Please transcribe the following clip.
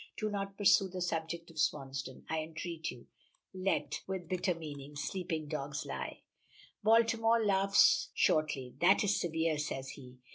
Do not pursue the subject of Swansdown, I entreat you. Let" with bitter meaning "'sleeping dogs lie.'" Baltimore laughs shortly. "That is severe," says he.